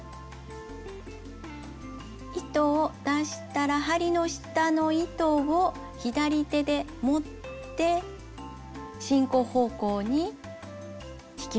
糸を出したら針の下の糸を左手で持って進行方向に引きます。